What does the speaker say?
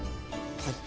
はい。